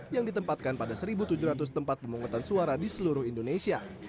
yang ditempatkan pada satu tujuh ratus tempat pemungutan suara di seluruh indonesia